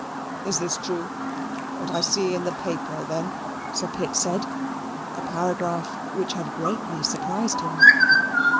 "Is this true, what I see in the paper then?" Sir Pitt said a paragraph in which had greatly surprised him.